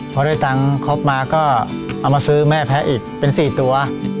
พอได้ตังค์ครบมาก็เอามาซื้อแม่แพ้อีกเป็น๔ตัว